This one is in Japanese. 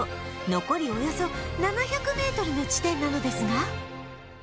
残りおよそ７００メートルの地点なのですが